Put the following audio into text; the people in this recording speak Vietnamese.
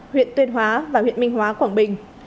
huyện tuyên hóa và huyện minh hóa quảng bình